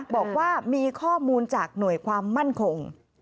บอกว่ามีข้อมูลจากหน่วยความมั่นคง